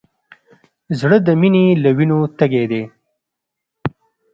زړه د مینې له وینو تږی دی.